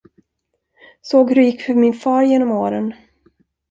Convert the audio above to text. Såg hur det gick för min far genom åren.